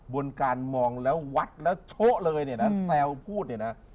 บนการมองแล้ววัดแล้วโช๊ะเลยแซวพูด